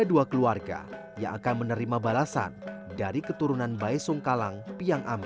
ritual pasiap ini dilakukan guna menghormati tamu dan memastikan tidak ada satupun tamu yang merasa lapar di betang sawe